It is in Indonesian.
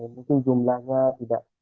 mungkin jumlahnya tidak